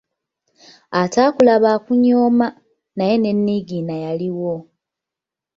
Ataakulaba akunyooma, naye ne Niigiina yaliwo!